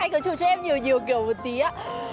anh có chụp cho em nhiều nhiều kiểu một tí á